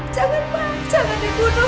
jangan pak jangan dibunuh